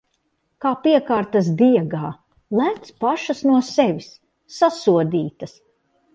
Kā piekārtas diegā... Lec pašas no sevis! Sasodītas!